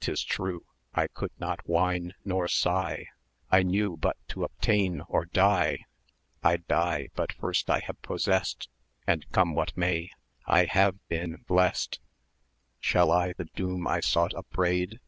'Tis true, I could not whine nor sigh, I knew but to obtain or die. I die but first I have possessed, And come what may, I have been blessed. Shall I the doom I sought upbraid?